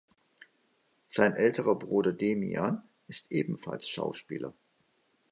Sein älterer Bruder Demian ist ebenfalls Schauspieler.